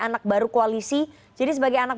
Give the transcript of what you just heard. anak baru koalisi jadi sebagai anak